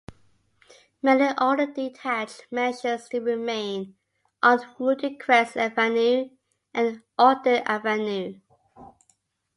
Many older detached mansions still remain on Woodycrest Avenue and Ogden Avenue.